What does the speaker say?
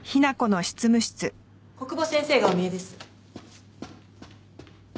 小久保先生がお見えです。